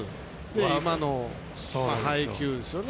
今の配球ですよね。